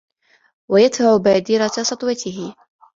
وَيَدْفَعُ بَادِرَةَ سَطْوَتِهِ